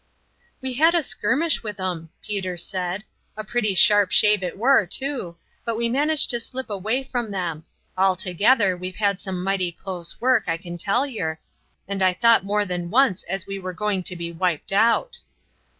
"We had a skirmish with 'em," Peter said; "a pretty sharp shave it war, too, but we managed to slip away from them. Altogether we've had some mighty close work, I can tell yer, and I thought more than once as we were going to be wiped out."